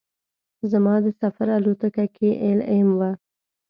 زما د سفر الوتکه کې ایل ایم وه.